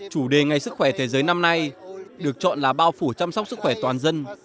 chủ đề ngày sức khỏe thế giới năm nay được chọn là bao phủ chăm sóc sức khỏe toàn dân